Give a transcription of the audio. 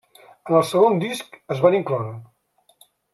En el segon disc es van incloure.